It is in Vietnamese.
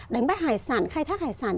đánh bắt hải sản khai thác hải sản